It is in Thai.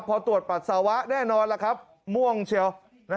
พอตรวจปรัสสาวะแน่นอนม่วงเชียว